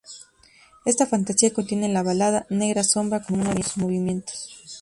Esta fantasía contiene la balada "Negra sombra" como uno de sus movimientos.